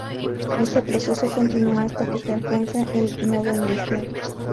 Este proceso continúa hasta que se alcanza el nodo inicial.